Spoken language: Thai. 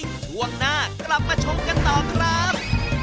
ช่วงหน้ากลับมาชมกันต่อครับ